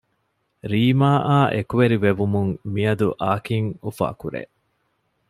ރީމާ އާ އެކުވެރި ވެވުމުން މިއަދު އާކިން އުފާކުރޭ